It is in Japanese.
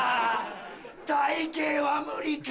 体形は無理か。